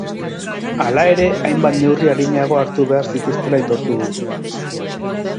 Hala ere, hainbat neurri arinago hartu behar zituztela aitortu du.